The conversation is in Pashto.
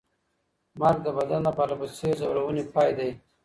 مرګ د بدن د پرله پسې ځورونې پای دی.